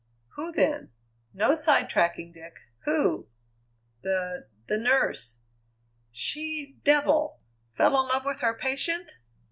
"Who, then? No sidetracking, Dick. Who?" "The the nurse." "She devil! Fell in love with her patient?